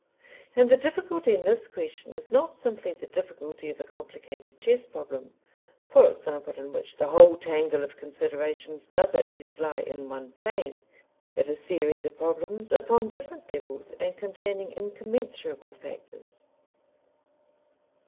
And the difficulty in this question is not simply the difficulty of a complicated chess problem, for example, in which the whole tangle of considerations does at least lie in one plane, but a series of problems upon different levels and containing incommensurable factors.